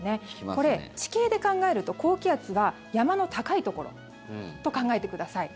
これ、地形で考えると高気圧が山の高いところと考えてください。